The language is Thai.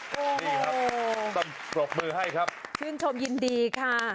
โหโหต้องฝรกเมอร์ให้ครับชื่นชมยินดีค่ะ